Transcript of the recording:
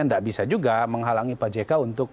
tidak bisa juga menghalangi pak jk untuk